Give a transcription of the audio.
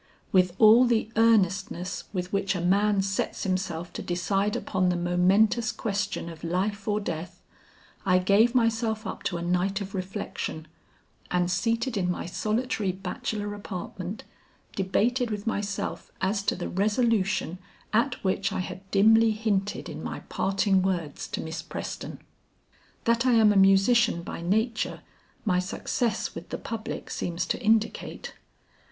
With all the earnestness with which a man sets himself to decide upon the momentous question of life or death, I gave myself up to a night of reflection, and seated in my solitary bachelor apartment, debated with myself as to the resolution at which I had dimly hinted in my parting words to Miss Preston. That I am a musician by nature, my success with the the public seems to indicate.